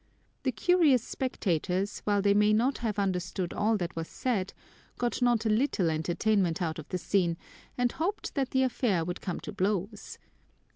The curious spectators, while they may not have understood all that was said, got not a little entertainment out of the scene and hoped that the affair would come to blows.